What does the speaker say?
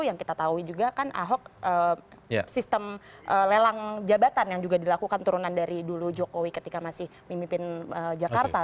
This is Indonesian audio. yang kita tahu juga kan ahok sistem lelang jabatan yang juga dilakukan turunan dari dulu jokowi ketika masih memimpin jakarta